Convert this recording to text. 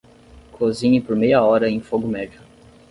Cozinhe por meia hora em fogo médio.